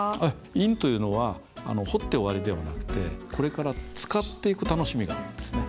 印というのは彫って終わりではなくてこれから使っていく楽しみがあるんですね。